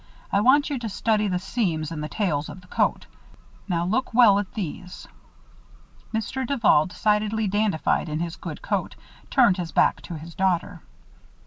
I want you to study the seams and the tails of the coat. Now look well at these." Mr. Duval, decidedly dandified in his good coat, turned his back to his daughter.